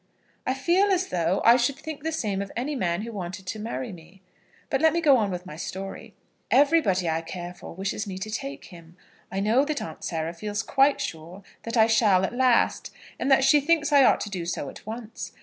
"I feel as though I should think the same of any man who wanted to marry me. But let me go on with my story. Everybody I care for wishes me to take him. I know that Aunt Sarah feels quite sure that I shall at last, and that she thinks I ought to do so at once.